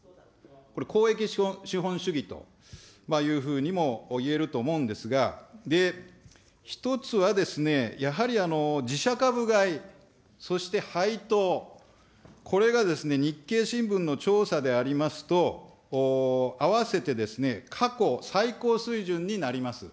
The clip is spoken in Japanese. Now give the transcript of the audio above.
これ、公益資本主義というふうにもいえると思うんですが、一つはですね、やはり自社株買い、そして配当、これが日経新聞の調査でありますと、合わせて過去最高水準になります。